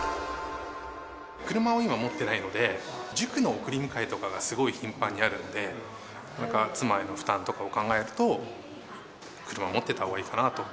車を今持ってないので、塾の送り迎えとかがすごい頻繁にあるので、妻への負担とかを考えると、車を持ってたほうがいいかなと。